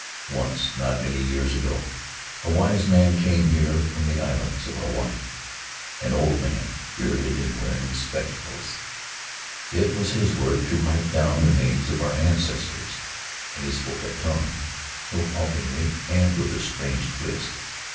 Once, not many years ago, a wise man came here from the islands of Hawaii — an old man, bearded and wearing spec In the Valley of Vaitia tacles. It was his work to write down the names of our ancestors, and he spoke our tongue, though haltingly and with a strange twist.